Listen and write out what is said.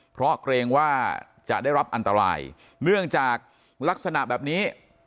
เพราะเกรงว่าจะได้รับอันตรายเนื่องจากลักษณะแบบนี้